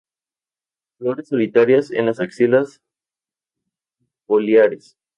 Flores solitarias en las axilas foliares.